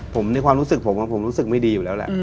ผมในความรู้สึกผมผมรู้สึกไม่ดีอยู่แล้วแหละ